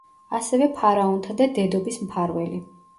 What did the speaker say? ასევე ფარაონთა და დედობის მფარველი.